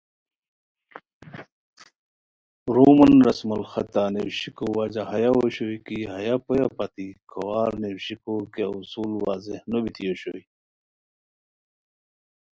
رومن رسم الخطہ نیویشیکو وجہ ہیہ اوشوئے کی ہیہ پویہ پتی کھوار نیویشیکو کیہ اصول وضع نو بیتی اوشوئے